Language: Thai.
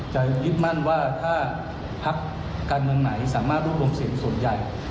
จะยึดมั่นว่าถ้าพักการเมืองไหนสามารถรวบรวมเสียงส่วนใหญ่